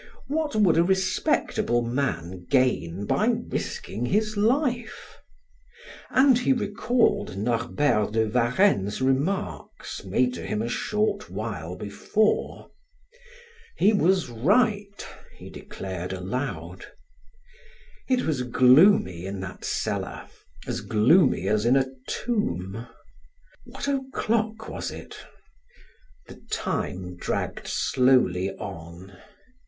What would a respectable man gain by risking his life? And he recalled Norbert de Varenne's remarks, made to him a short while before. "He was right!" he declared aloud. It was gloomy in that cellar, as gloomy as in a tomb. What o'clock was it? The time dragged slowly on.